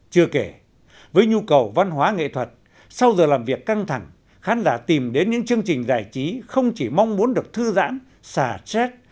chưa kể với nhu cầu văn hóa nghệ thuật sau giờ làm việc căng thẳng khán giả tìm đến những chương trình giải trí không chỉ mong muốn được thư giãn sà chét